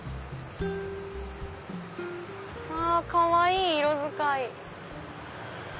あかわいい色使い。